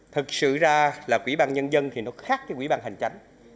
thật sự ra là quỹ ban nhân dân thì nó khác cái quỹ ban hành chánh